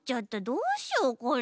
どうしようこれ。